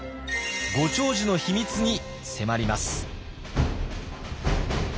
ご長寿の秘密に迫ります。